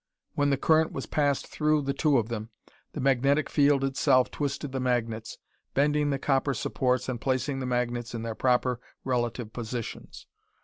When the current was passed through the two of them, the magnetic field itself twisted the magnets, bending the copper supports and placing the magnets in their proper relative positions.